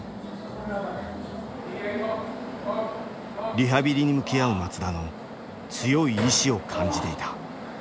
リハビリに向き合う松田の強い意志を感じていた。